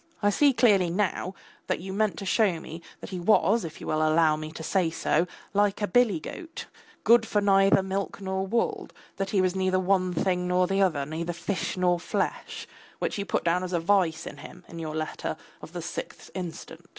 I see clearly now that you meant to show me that he was, if you will allow me to say so, like a billy goat, good for neither milk nor wool, that he was neither one thing nor the other, neither fish nor flesh, which you put down as a vice in him in your letter of the sixth instant.